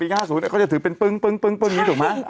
ปีห้าศูนย์เนี้ยเขาจะถือเป็นปึ้งปึ้งปึ้งปึ้งนี้ถูกไหมใช่